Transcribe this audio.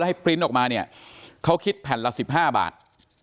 ให้ปริ้นต์ออกมาเนี่ยเขาคิดแผ่นละ๑๕บาท